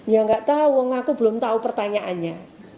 ya nggak tahu aku belum tahu pertanyaannya